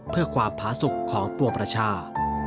เพื่อความผาสุขของปวงประชา